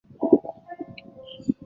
奉司马昭之命弑害魏帝曹髦。